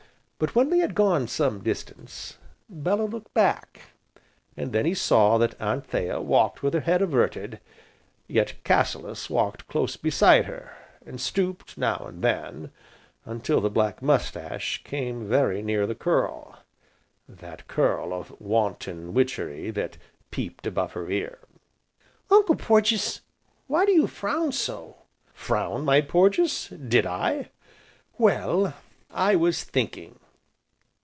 But when they had gone some distance, Bellew looked back, and then he saw that Anthea walked with her head averted, yet Cassilis walked close beside her, and stooped, now and then, until the black moustache came very near the curl that curl of wanton witchery that peeped above her ear. "Uncle Porges why do you frown so?" "Frown, my Porges, did I? Well, I was thinking."